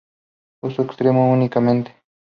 Uso externo únicamente.